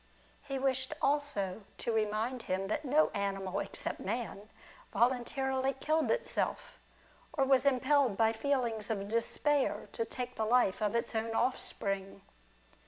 He wished also to remind him that no animal except man voluntarily killed itself, or was impelled by feelings of despair to take the life of its own offspring.